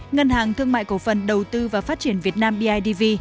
ngân hàng thương mại cổ phần đầu tư và phát triển việt nam bidv